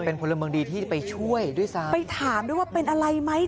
เป็นพลเมืองดีที่ไปช่วยด้วยซ้ำไปถามด้วยว่าเป็นอะไรไหม